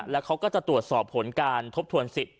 แล้วเขาก็จะตรวจสอบผลการทบทวนสิทธิ